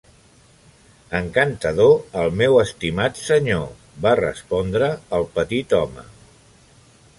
"Encantador, el meu estimat senyor", va respondre el petit home.